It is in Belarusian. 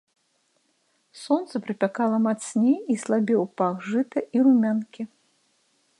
Сонца прыпякала мацней, і слабеў пах жыта і румянкі.